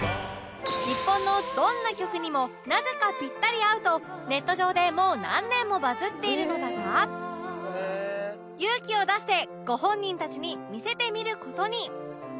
日本のどんな曲にもなぜかピッタリ合うとネット上でもう何年もバズっているのだが勇気を出してご本人たちに見せてみる事に